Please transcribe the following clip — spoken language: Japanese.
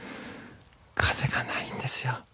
風がないんですよ。